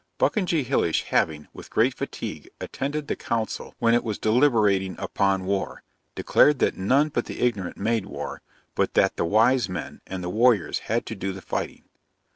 Buckinjehillish having, with great fatigue, attended the council when it was deliberating upon war, declared that none but the ignorant made war, but that the wise men and the warriors had to do the fighting.